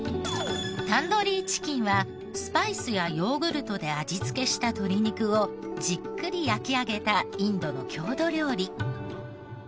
タンドリーチキンはスパイスやヨーグルトで味付けした鶏肉をじっくり焼き上げたインドの郷土料理。